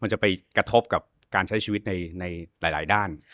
จะไปกระทบกับการใช้ชีวิตในหลายด้าน